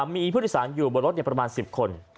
มีผู้โดยสารอยู่บนรถประมาณ๑๐คน